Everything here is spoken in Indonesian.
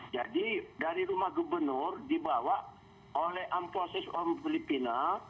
jadi dari rumah gubernur dibawa oleh arposo filipina